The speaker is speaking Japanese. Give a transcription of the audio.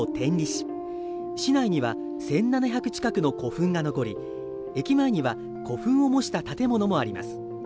市内には１７００近くの古墳が残り駅前には古墳を模した建物もあります。